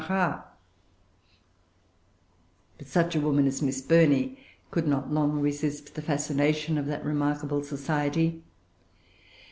But such a woman as Miss Burney could not long resist the fascination of that remarkable society.